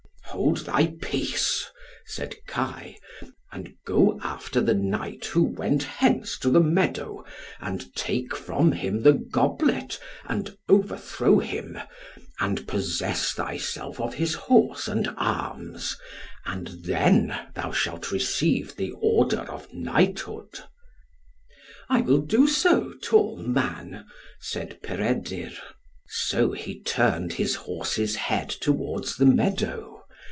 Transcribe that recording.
"Hold thy peace," said Kai, "and go after the knight who went hence to the meadow, and take from him the goblet, and overthrow him, and possess thyself of his horse and arms, and then thou shalt receive the order of knighthood." "I will do so, tall man," said Peredur. So he turned his horse's head towards the meadow.